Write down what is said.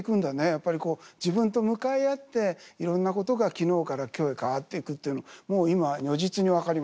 やっぱり自分と向かい合っていろんなことが昨日から今日へ変わっていくっていうのもう今如実に分かりました。